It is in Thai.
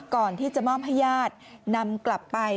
ก่อนที่จะมอบให้ญาตินำกลับไป